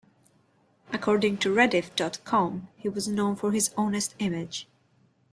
According to rediff dot com, he was known for his honest image.